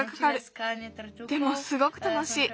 でもすごくたのしい。